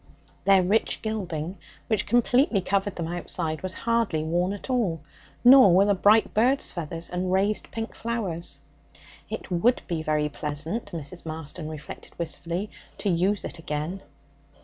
Their rich gilding, which completely covered them outside, was hardly worn at all, nor were the bright birds' feathers and raised pink flowers. It would be very pleasant, Mrs. Marston reflected wistfully, to use it again.